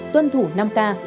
tuân thủ năm k